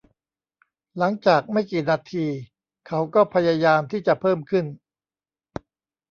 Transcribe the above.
หลังจากไม่กี่นาทีเขาก็พยายามที่จะเพิ่มขึ้น